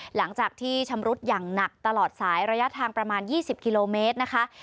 หลังจากที่ชำรุดอย่างหนักตลอดสายระยะทางประมาณ๒๐กิโลเมตรนะคะ